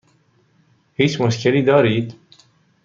هیچ مشکلی دارید؟